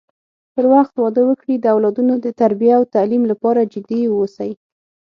پر وخت واده وکړي د اولادونو د تربی او تعليم لپاره جدي اوسی